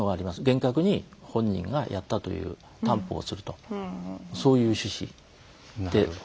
厳格に本人がやったという担保をするとそういう趣旨でなっております。